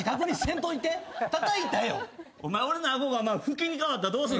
お前俺の顎がふきに変わったらどうすんねん。